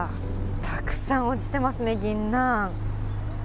たくさん落ちてますね、ぎんなん。